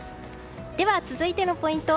では、続いてのポイント